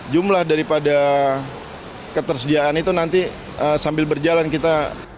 jumlah daripada ketersediaan itu nanti sambil berjalan kita